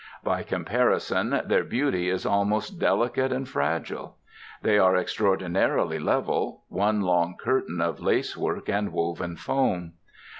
By comparison their beauty is almost delicate and fragile. They are extraordinarily level, one long curtain of lacework and woven foam.